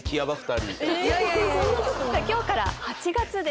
今日から８月です。